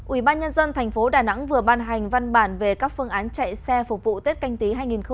ubnd tp đà nẵng vừa ban hành văn bản về các phương án chạy xe phục vụ tết canh tí hai nghìn hai mươi